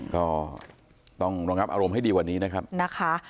ก็ต้องระงับอารมณ์ให้ดีกว่านี้นะครับนะคะ